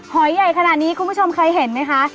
หอยใหญ่ขนาดนี้คุณผู้ชมเคยเห็นไหมคะ